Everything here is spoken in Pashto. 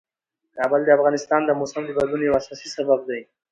کابل د افغانستان د موسم د بدلون یو اساسي سبب دی.